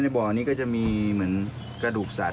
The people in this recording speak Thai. บ่อนี้ก็จะมีเหมือนกระดูกสัตว